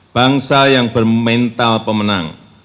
bangsa yang bermental pemenang